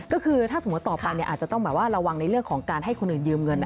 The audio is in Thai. ก็คือถ้าสมมุติต่อไปอาจจะต้องระวังในเรื่องของการให้คนอื่นยืมเงิน